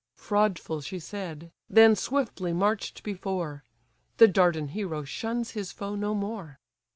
Fraudful she said; then swiftly march'd before: The Dardan hero shuns his foe no more.